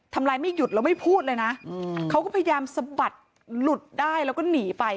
ทำร้ายไม่หยุดแล้วไม่พูดเลยนะเขาก็พยายามสะบัดหลุดได้แล้วก็หนีไป